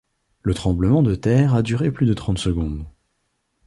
Le tremblement de terre a duré plus de trente secondes.